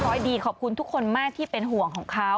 ดีขอบคุณทุกคนมากที่เป็นห่วงของเขา